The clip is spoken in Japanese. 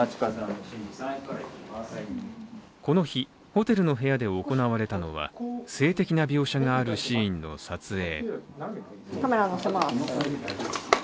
この日、ホテルの部屋で行われたのは性的な描写があるシーンの撮影。